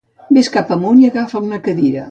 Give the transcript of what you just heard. Vés cap amunt i agafa una cadira